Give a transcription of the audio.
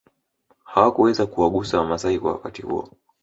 Hawakuweza kuwagusa wamasai kwa wakati huo